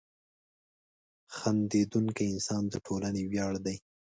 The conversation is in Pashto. • خندېدونکی انسان د ټولنې ویاړ دی.